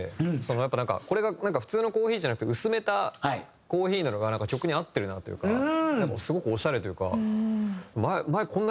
やっぱなんかこれが普通のコーヒーじゃなくて薄めたコーヒーなのが曲に合ってるなというかすごくオシャレというか。